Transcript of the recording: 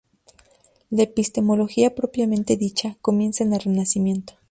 La epistemología propiamente dicha comienza en el Renacimiento.